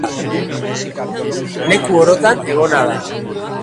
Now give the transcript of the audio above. Leku orotan egona da.